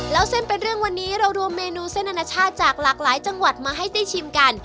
แล้วเส้นเป็นเรื่องวันนี้เรารวมเมนูเส้นอนาชาติจากหลากหลายจังหวัดมาให้ได้ชิมกัน